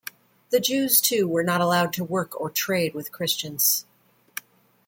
The Jews, too, were not allowed to work or trade with Christians.